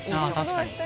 確かに。